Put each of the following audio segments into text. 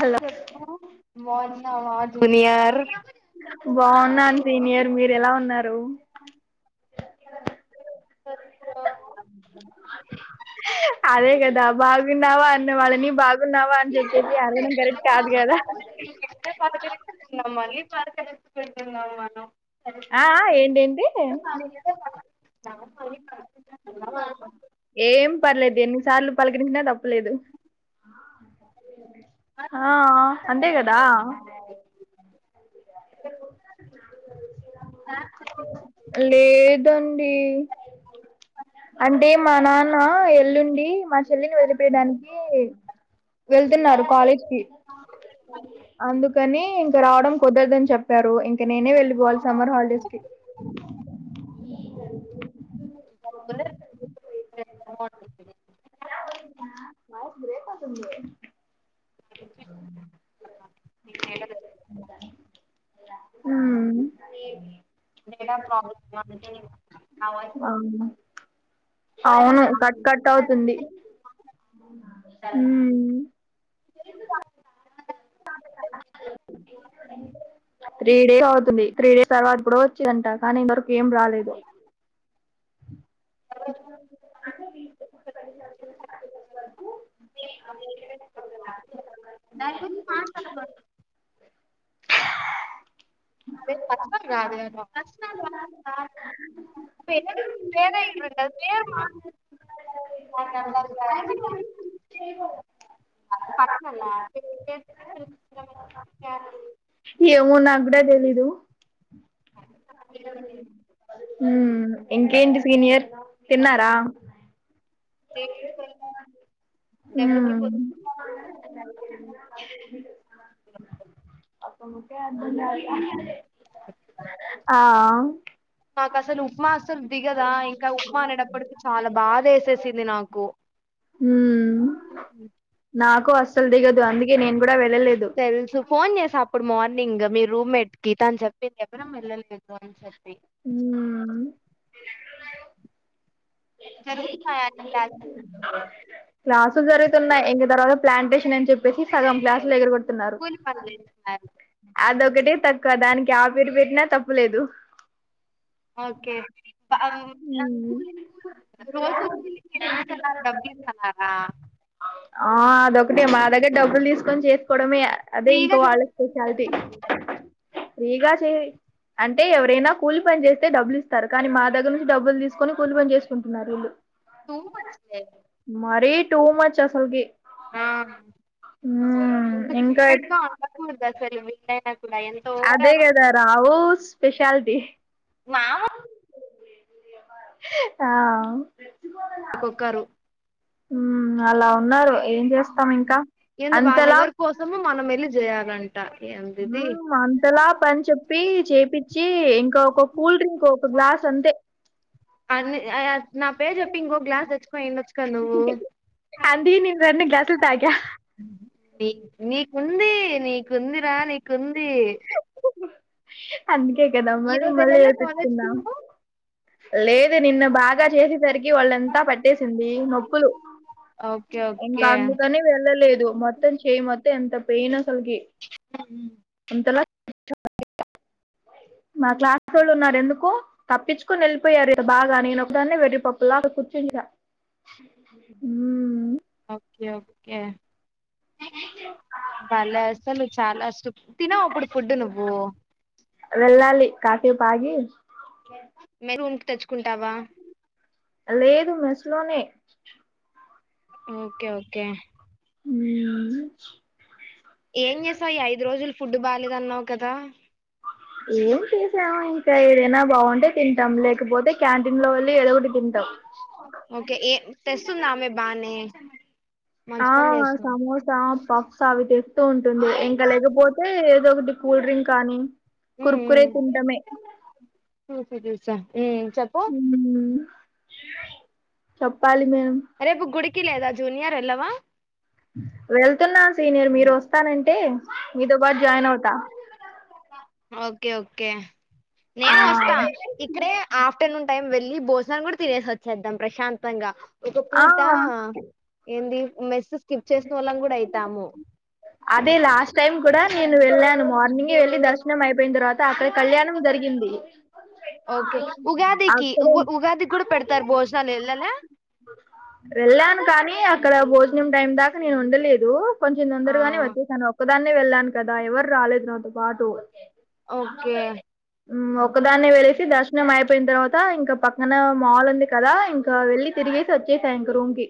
Hello చెప్పు బాగున్నావా junior బాగున్నాను సీనియర్ మీరు ఎలా ఉన్నారు అదే కదా బాగున్నావా అన్న వాళ్ళని బాగున్నావా అని చెప్పేసి అడగడం కరెక్ట్ కాదు కదా అంటే పకకుందాం మళ్ళీ పదకలుచ్చుకుళ్ంటున్నాాం మనం [unintelligible] ఆఆ ఏంటేంటి ఏం పర్లేదు ఎన్నిసార్లు పలకరించినా తప్పులేదు ఆఆ అంతే కదా లేదండి అంటే మా నాన్న ఎల్లుండి మా చెల్లిని వదిలిపయడానికి వెళ్తున్నారు కాలేజ్కి అందుకని ఇక రావడం కుదరదని చెప్పారు ఇంకా నేనే వెళ్ళిపోవాలి సమ్మర్ హాలిడేస్ కి [unintelligible] వా గురే తే [unintelligible] హుమ్ ప్రబ్ [unintelligible] ఆ అవును కట్ కట్ అవుతుంది స మ్మ్. త్రీ డేస్ అవుతుంది త్రీ డేస్ తర్వాత కూడా వచ్చిందంట కానీ ఇంతవరకు ఏం రాలేదు న [unintelligible] అదే ప్ర అదరురు మా [unintelligible] ఏమో నాకు కూడా తెలీదు హుమ్ ఇంకేంటి సీనియర్ తిన్నారా ది దెబ్బకి పో అ ఆ నాకు అసలు ఉప్మా అసలు దిగదా ఇంకా ఉప్మా అనేటప్పటిక చాలా బాధ వేసేసింది నాకు కు ఉ నాక్ వాస్ అసలు దిగదు అందుకే నేను కూడా వెళ్ళలేదు నింగ్ మీ రూమ్మేట్ కి తను చెప్పింది చెప్పన మీరు ఏళ్లలేదు అని చెప్పి హ్మ్ క్లాసులు జరుగుతున్నాయ్. ఇంగ తర్వాత ప్లాంటేషన్ అని చెప్పేసి, సగం క్లాసులు ఎగరగొట్ తున్నారు. అదొక్ ఒకటే తక్కువ, దానికి ఆ పేరు పెట్టినా తప్పులేదు. ఓకే ఉ రోజు కూలికి ఎంత ఇస్తున్నారు డబ్బులు ఇస్తున్నారా ఆ అదొక్కటే మా దగ్గర డబ్బులు దీస్ కొన్ చేస్కోవడమేయా అదే ఫ్రీ ఇంకో వాళ్ళ స్పెషాలిటీ. ఫ్రీగా చెయ్. అంటే ఎవరైనా కూలి పని చేస్తే డబ్బులు ఇస్తారు. కాని, మా దగ్గర నుంచి డబ్బులు తీసుకొని, కూలి పని చేస్ కుంటున్నారీళ్ళు టూ మచ్ ఏ టూ మచ్ అసల్ కీ ఆ ఇంతకు ఇంకా [unintelligible] అదే గద రావూ స్పెష్ షలిటీ మా వు ఆ ఒక్కొక్కరు హ్మ్ అలా ఉన్నారు. ఏం చేస్తాం ఇంకా ఏంది? వాళ్ళ ఎవరి కోసము మనం ఎళ్ళి జేయాలి. [unintelligible] ఊ అంతలా పని చెప్పి, చేపిచ్ చ్చి ఇంకా ఒక కూల్ డ్రింక్ ఒక గ్లాస్ అంతే అన్ని అయ నా పేరు చెప్పి, ఇంకో గ్లాస్ తెచ్చుకో ఏం తెచ్చుకొ నువ్వు అందుకే నేను రెండు గ్లాసులు తాగా నీ నీకుందీ, నీకుంది. రా నీకుంది. అన్ని కే కదా ఈ మళ్ళీ రోజు మళ్ళీ వెళ్ళాలా కాలేజ్ కి ఏపిచ్చుకున్నాం. నువ్వు లేదే నిన్న బాగ చేసేసరికి వొళ్ళంత పట్టేసింది. నొప్పులు, ఓకే ఇంకా ఓకే అందుకని వెళ్ళలేదు. మొత్తం చేయి మొత్తం ఎంత పెయిన్ అసల్కి ఉ అంతలా [unintelligible] మా క్లాస్ ఒళ్ళు ఉన్నారు ఎందుకు? తప్పించుకొని ఎళ్ళిపోయారు ఇక బాగ నేను ఒకదాన్ని వెర్రి పప్పులా అక్కడ కూర్చున్న. ఊహ్. ఒక్కె ఒక్కే. భలే అసలు చాలా సుప్ట్ తినూ ఇప్పుడు ఫుడ్డు నువ్వూ. వెల్ళాలి కాసేపు ఆగీ మే రూమ్కి తెచ్చుకుంటావా లేదు మెస్లోనే ఓకే ఓకే మీద [unintelligible] ఏం చేసావ్ ఈ ఐదు రోజులు ఫుడ్ బా లేదన్నావు కదా ఏం చేసాము ఇంకా ఏదైనా బాగుంటే తింటాం లేకపోతే క్యాంటీన్ లో వెళ్ళి ఏదో ఒకటి తింటాం ఓకే ఏ తెస్తుందామె బానే మంచి ఆ పని చేస్తుంది సమోసా పఫ్స్ అవి తెస్తూ ఉంటుంది ఇంకా లేకపోతే ఏదో ఒకటి కూల్ డ్రింక్ కానీ ఉమ్, కురుకురే తింటమే ఉ చెప్పు చొప్పాలి రేపు గుడికి లేదా జూనియర్ ఎలావ్ మా వెళ్తున్నాను సీనియర్ మీరు వస్తానంటే మీతో పాటు జాయిన్ అవుతా ఓకే ఓకే ఆ నేను వస్తా ఇక్కడే ఆఫ్టర్నూన్ టైం వెళ్ళి బో అన్నం కూడా తినేసి వచ్చేద్దాం ప్రశాంతంగా ఒక ఆ పూట ఏంది మెస్ స్కిప్ చేసిన వాళ్ళం కూడా అయితాము అదే లాస్ట్ టైం కూడా నేను వెళ్ళాను మార్నింగే వెళ్ళి ద నా [unintelligible] అయిపోయిన తర్వాత అక్కడ కళ్యాణం జరిగింది ఓకే ఉగాదికి అక్కడ ఉ ఉగాదికి కూడా పెడతారు భోజనాలు వెళ్ళాలా వెళ్ళాను కానీ అక్కడ భోజనం టైం దాకా నేను ఉండలేదు కొంచెం ఆ తొందరగానే వచ్చేసాను ఒక్క దాన్నే వెళ్ళాను కదా ఎవరు రాలేదు నాతో పాటు ఓకే ఉ ఒక్కదాన్నే వెల్లేసి దర్శనం అయిపోయిన తర్వాత ఇంకా పక్కన మాల్ ఉంది కదా ఇంకా వెళ్ళి తిరిగేసి వచ్చేస ఇంక రూంకి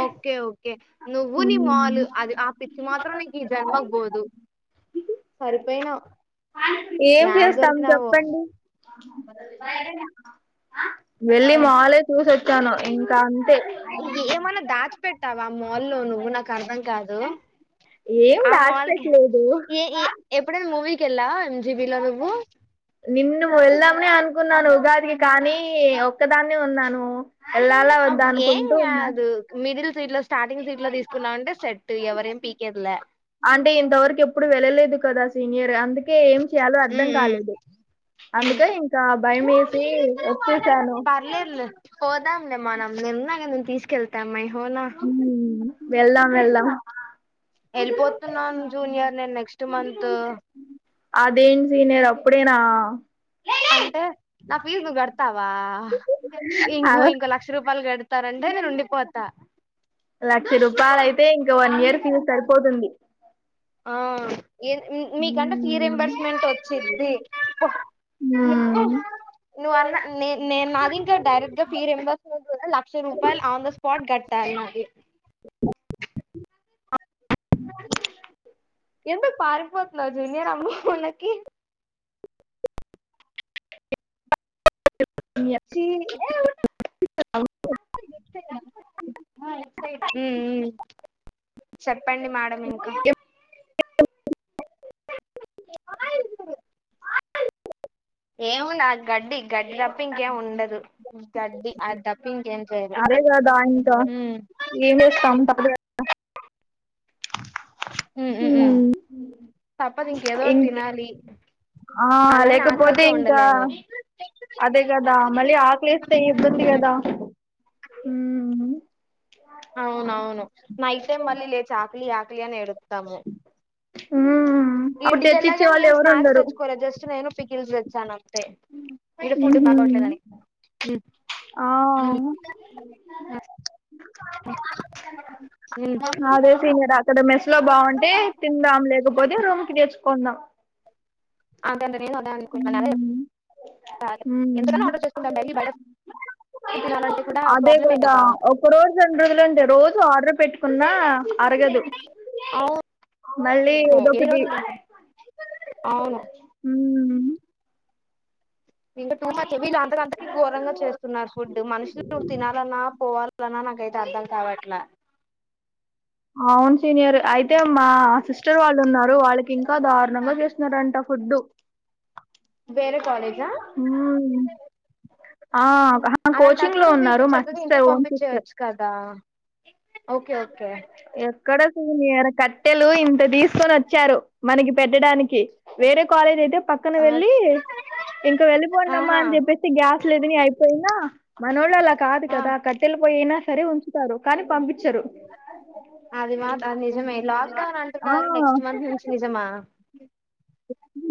ఓకే ఓకే నువ్వు నీ మాలు అది ఆ పిచ్చి మాత్రం నీకు ఈ జన్మకు పోదు సరిపోయినవ్ ఏం ఏడ చేస్తాం దొరికినావో చెప్పండి వెళ్ళి ఆ, మాలే చూసొచ్చి ఇంకా అంతే కాచ పెట్టావా మాల్లో నువ్వు నాకు అర్ధం కాదు ఏం ఆ మాల్కి దాచిపెట్లేదు ఎలా నిన్న ఎల్లమ్నే అ అనుకున్నాను ఉగాదికి కానీ ఒక్కదాన్ని ఉన్నాను ఎల్లాల అబ్ వద్దా ఏం అనుకుంటూ ఉన్నా కాదు మిడిల్ సీట్ లో స్టార్టింగ్ సీట్ లో తీసుకున్నామంటే సెట్టు ఎవరే ఏం పీకేదిలే అంటే ఇంతవరకు ఎప్పుడు వెళ్ళలేదు కదా సీనియర్ అందు అకే ఏం చేయాలో అర్థం ఉమ్ ఉమ్ కాలేదు ఉమ్ అందుకే ఇంకా భయం వేసి వచ్చేసాను పర్లేదులే పోదాంలే మనం నిన్న నేను తీసుకెళ్తా మై అవునా వెళ్లాం వెళ్ళాం వెళ్ళిపోతున్నాను జూనియర్ నేను నెక్స్ట్ మంత్ ప్పుడేనా అంటే నా ఫీజు నువ్వు గడతావా ఇంకో అలా రూ. ఇంకో లక్ష రూపాయలు గడతారంటే నేను ఉండిపోతా లక్ష రూపాయల అయితే ఇంకా వన్ ఇయర్ ఫీజు సరిపోతుంది ఆ ఏ మీ మీకంటే ఫీ హ్మ్. రింబర్స్మెంట్ వచ్చిద్ది నువ్ హ్మ్. నువన్న నేను నేను నాది ఇంకా డైరెక్ట్ గా ఫీ రింబర్స్మెంట్ లక్ష రూపాయలు ఆన్ ద స్పాట్ కట్టాల్న ఇ ఎందుక్ పారిపోతున్నావ్ జూనియర్ అమ్మ ఉన్నకి ఛీ ఉం ఉం చెప్పండి మ్యాడం ఇంకా [inaudible] ఏం ఉన్నాది గడ్డి గడ్డి తప్పి ఇంకేం ఉండదు గడ్డి అద అదే కదా బా ఇంకా ఉమ్ ఏం చేస్తాం తప్పా ఉఉ మ్మ్ హ్మ్. తప్పది ఇంక ఇం ఏదోటీ తినాలి ఆ అలానే లేకపోతే ఆకలితో ఇంకా ఉండలేము అదే కదా మళ్ళీ ఆకలిస్తే ఇబ్బంది కదా హ్మ్ అవునవును నైట్ టైం మళ్ళి లేచి ఆకలి ఆక్ అయాన్ ఎడుత్తము ఉమ్ అప్పుడు తెచ్చిచ్చే ఇంటికెళ్లాగానే వాళ్ళు ఏం ఎవరు స్నాక్స్ ఉండరు తెచ్చుకోలే జస్ట్ నేను పిక్ కిల్ జెచ్చాన అంతే ఇగ ఫుడ్ ఉహు బాలవట్లేదని ఆ అదే సీనియర్ అక్కడ మెస్ లో బాగుంటే తిందాం లేకపోతే రూమ్ కి తెచ్చుకుందాం అదే అంట నేను అద సే ఉమ్ ఎంతకన్నా ఉమ్ ఆర్డర్ చేసుకుంటాం మళ్ళీ అదే కదా ఒక రోజు రెండ రోజులుండి రోజు ఆర్డర్ పెట్టుకున్నా అరగదు అవును మళ్ళీ ఏదో ఎన్ని ఒకటి రోజులు తింటాం అవును ఇంకా టూ మచ్ వీళ్ళు అందరుందరికీ ఘోరంగా చేస్తున్నారు ఫుడ్ మనుషులు నువ్వు తినాలన్నా పోవాలన్నా నాకైతే అర్ధం కావట్లా వాళునా వాళ్ళకి ఇంకా దారుణంగా చేస్తున్నంట ఫుడ్ వేరే కాలేజా కోచింగ్ లో అలాంటప్పుడు వీళ్ళు ఉన్నారు మా చక్కగా సిస్ర్ ఇంటికి ఓన్ సిస్ పంపించేయచ్చు క అక్కడకు నిర కట్టెలు ఇంత తీసుకొని వచ్చారు మనకి పెట్టడానికి వేరే కాలేజ్ అయితే పక్కన వెళ్ళి ఓకే ఇంక వెళ్ళిపోండమా ఆహా అని చెప్పే గ్యాస్లు లేదని అయిపోయి మనోళ్ళలా కాదు ఆ, కదా కట్టల పోయినా సరే ఉంచుతారు కానీ పంపించరు అది మా అది నిజమే లాక్డౌన్ ఆ అంటున్నారు నెక్స్ట్ మంత్ నుంచి నిజమా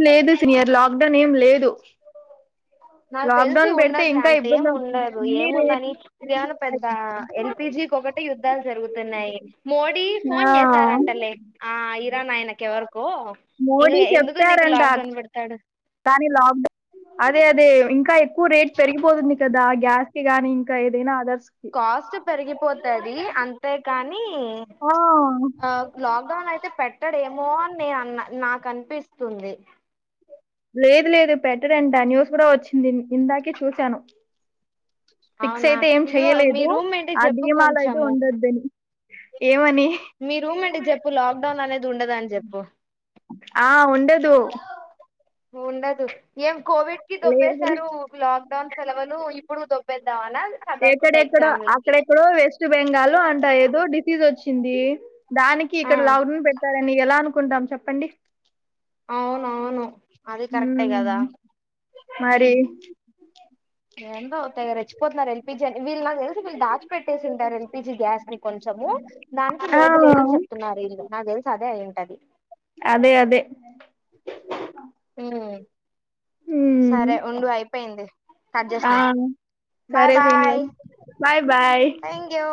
లేదు సనియర్ లాక్డౌన్ ఏం లేదు నాకు తెలిసి లాక్డౌన్ పెడితే ఉండదులే ఇంకా అంతేం ఇబ్బంది అవుతుంది ఉండదు అన్ని ఏముందని రేట్లు ఇదేమన్నా పెద్ద పెరిగిపోయాయి. ఎల్ పి జీ కి ఒకటి టె యుద్ధాలు జరుగుతున్నాయి మోడీ ఫోన్ ఆ చేసారంటలే ఆ ఇరాన్ ఆయనకి ఎవరకో ఇంక మోడీ ఎందుకు నీకు చెప్పారంట లాక్ డౌన్ పెడతా డు కానీ లాక్డౌన్ అదే అదే ఇంకా ఎక్కువ రేట్ పెరిగిపోతుంది కదా గ్యాస్ కి గాని ఇంకా ఏదైనా అదర్స్ కి కాస్ట్ పెరిగిపోతది అంతే కానీ నీ ఆ లాక్ డౌన్ అయితే పెట్టడే మోహన్ నేను అన్న నాకు అనిపిస్తుంది లేదు లేదు పెట్టడంట న్యూస్ కూడా వచ్చింది ఇందాకే చూశాను. ఫిక్స్ అవునా అయితే ఏం ఇదిగో మీ చెయలేదు రూమ్ ఏంటి ఆ చెప్పు థీమాలో అయితే కొంచెము ఉండద్దని ఏమని మీ రూమ్ ఏంటి చెప్పు లాక్డౌన్ అనేది ఉండదని చెప్పు ఆ ఉండదు. ఉండదు ఏం కోవిడ్ కి లేదు దొబ్బేశారు లాక్డౌన్ సెలవులు ఇప్పుడు దొబ్బేద్దాం అనా చదవకుండా ఎక్కడెక్కడో ఎగ్జామ్లకి అక్కడెక్కడో వింది దానికి ఆ ఇక్కడ లాక్ డౌన్ పెట్టాలని ఎలా అను కుంటాం చెప్పండి అవును అవును అది కరెక్టే కదా ఉమ్, మరి ఎందొ తగరచ్చి [inaudible] పోతున్నారు ఎల్పిి జన్ వ [unintelligible] ల్ వీళ్ళు దాచి పెట్టేసింటారు ఎల్పిజి గ్యాస్ ని కొంచెము దానికి ఆ లేదు లేదని చెప్తున్నారు వీళ్ళు నాకు తెలుసు అదే అయి పది అదే అదే పొర్ ఉమ్ సరే ఉండు అయిపోయింది స్టార్ట్ ఆ చేసినబాయ్ సరే bye senior bye bye thank you